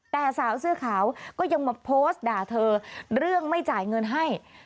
แต่สาวเสื้อขาวก็ยังมาโพสต์ด่าเธอเรื่องไม่จ่ายเงินให้